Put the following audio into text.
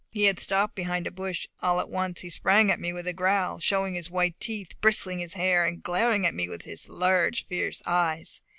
He had stopped behind a bush; all at once he sprang at me with a growl, showing his white teeth, bristling his hair, and glaring at me with his large fierce eyes.